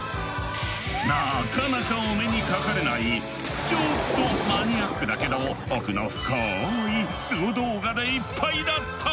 なかなかお目にかかれないちょっとマニアックだけど奥の深いスゴ動画でいっぱいだった！